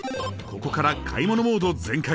ここから買い物モード全開。